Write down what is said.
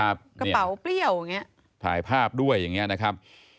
กระเป๋าเปรี้ยวอย่างเงี้ยถ่ายภาพด้วยอย่างเงี้ยนะครับ